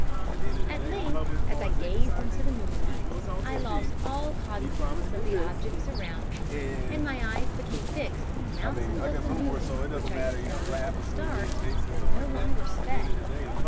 "At length, as I gazed into the moonlight, I lost all cognizance of the objects around me, and my eyes became fixed on the mountains of the moon, which I discovered, with a start, were no longer specks.